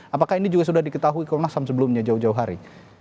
apakah ini juga sudah diketahui komnas ham sebelumnya jauh jauh hari